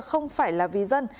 không phải là vì dân